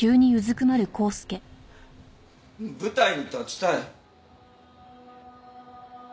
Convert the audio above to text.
舞台に立ちたい。